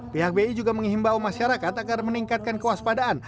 pihak bi juga mengimbau masyarakat akan meningkatkan kewaspadaan